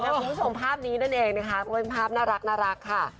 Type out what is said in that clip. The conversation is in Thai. คุณผู้ชมภาพนี้นั่นเองค่ะเป็นภาพน่ารักน่ารักค่ะ